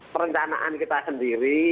perencanaan kita sendiri